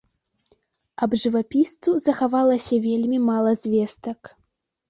Аб жывапісцу захавалася вельмі мала звестак.